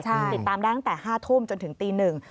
ติดตามได้ตั้งแต่๕ทุ่มจนถึงตีหนึ่ง